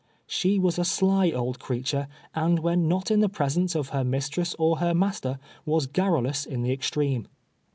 She was a sly old creature, and when not in the presence of her mistress or her master, was garrulous in the extreme.